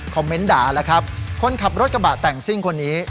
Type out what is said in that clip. เมนต์ด่าแล้วครับคนขับรถกระบะแต่งซิ่งคนนี้